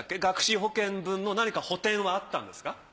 学資保険分の何か補填はあったんですか？